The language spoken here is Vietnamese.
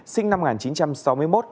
sinh năm một nghìn chín trăm sáu mươi một